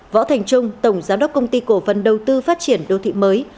võ thành trung tổng giám đốc công ty cổ phần đầu tư phát triển đô thị mới